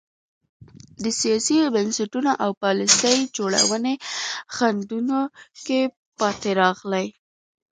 د سیاسي بنسټونو او پالیسۍ جوړونې خنډونو کې پاتې راغلي.